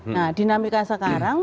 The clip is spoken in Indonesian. nah dinamika sekarang